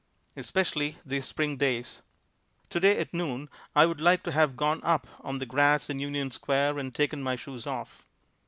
Especially these spring days. Today at noon I would like to have gone up on the grass in Union Square and taken my shoes off.